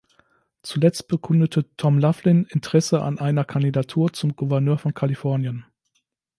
Zuletzt bekundete Tom Laughlin Interesse an einer Kandidatur zum Gouverneur von Kalifornien.